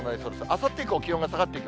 あさって以降、気温が下がってい